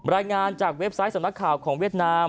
รายงานจากเว็บไซต์สำนักข่าวของเวียดนาม